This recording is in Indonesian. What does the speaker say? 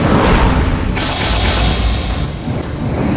aku harus pakai alang panrage